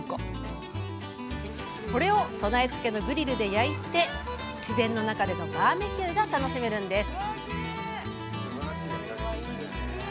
これを備え付けのグリルで焼いて自然の中でのバーベキューが楽しめるんです。